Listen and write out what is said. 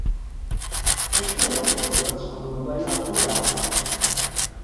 Acuɣer i tebɣiḍ ad txedmeḍ aya tura?